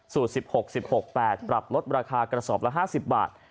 ๑๖๑๖๘ปรับลดราคากระสอบละ๕๐บาท